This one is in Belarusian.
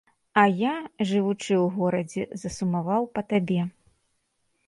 А я, жывучы ў горадзе, засумаваў па табе.